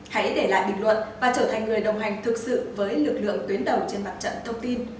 hãy để lại bình luận và trở thành người đồng hành thực sự với lực lượng tuyến đầu trên mặt trận thông tin